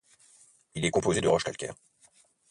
Il est composé de roches calcaires.